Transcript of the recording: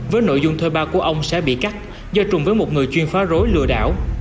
với nội dung thuê bao của ông sẽ bị cắt do trùng với một người chuyên phá rối lừa đảo